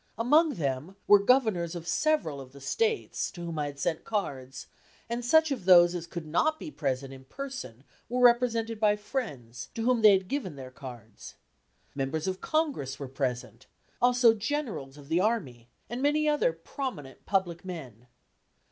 Among them were governors of several of the States, to whom I had sent cards, and such of those as could not be present in person were represented by friends, to whom they had given their cards. Members of Congress were present, also generals of the army, and many other prominent public men.